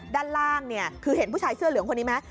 ด้านล่างเนี่ยคือเห็นผู้ชายเสื้อเหลืองคนนี้ไหม